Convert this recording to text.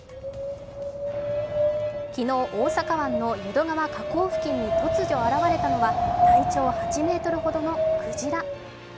昨日、大阪湾の淀川の河口付近に突如現れたのは体長８ｍほどのクジラ。